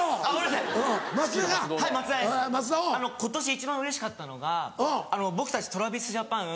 今年一番うれしかったのが僕たちＴｒａｖｉｓＪａｐａｎ